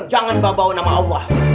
jangan bawa bawa nama allah